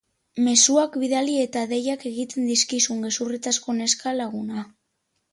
Mezuak bidali eta deiak egiten dizkizun gezurretazko neska-laguna.